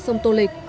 sông tô lịch